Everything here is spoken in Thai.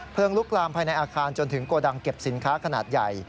ลุกลามภายในอาคารจนถึงโกดังเก็บสินค้าขนาดใหญ่